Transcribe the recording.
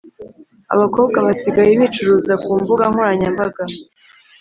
Abakobwa basigaye bicuruza kumbuga nkoranya mbaga